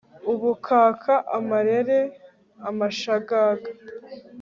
ubukaka amarere, amashagaga